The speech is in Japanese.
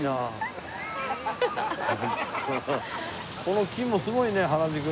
この木もすごいね原宿の。